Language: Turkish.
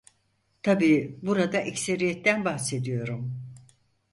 Tabiî burada ekseriyetten bahsediyorum.